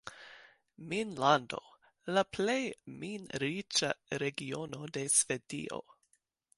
"Minlando", la plej min-riĉa regiono de Svedio.